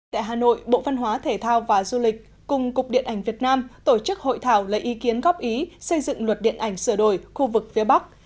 tại hà nội bộ văn hóa thể thao và du lịch cùng cục điện ảnh việt nam tổ chức hội thảo lấy ý kiến góp ý xây dựng luật điện ảnh sửa đổi khu vực phía bắc